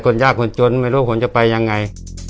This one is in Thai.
ยากคนจนไม่รู้ผลจะไปยังไง